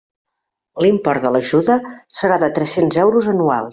L'import de l'ajuda serà de tres-cents euros anuals.